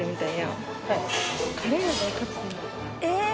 えっ！